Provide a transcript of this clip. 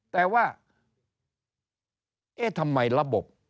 แต่ว่าเอ๊ะทำไมระบบ